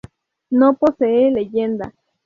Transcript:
No posee leyenda.